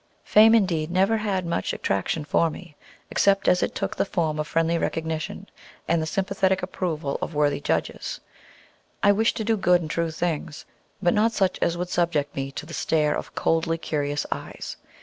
Fame, indeed, never had much attraction for me, except as it took the form of friendly recognition and the sympathetic approval of worthy judges. I wished to do good and true things, but not such as would subject me to the stare of coldly curious eyes.